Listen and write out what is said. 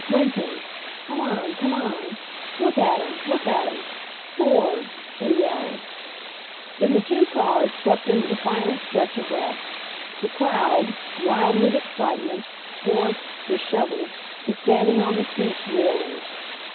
Winton! Come on, come on! Look at 'em ! Look at 'em ! Ford !" they yelled. Then the two cars swept into the final stretch abreast ; the crowd, wild with excitement, hoarse, disheveled, was standing on the seats, roaring